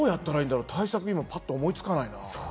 対策、パッと思いつかないな。